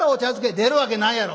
「出るわけないやろ。